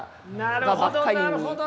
なるほどなるほど。